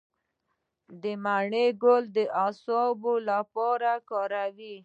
د مڼې ګل د اعصابو لپاره وکاروئ